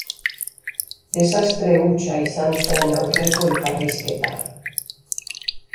Desastre hutsa izan zen aurreko elkarrizketa.